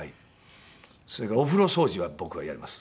それからお風呂掃除は僕がやります。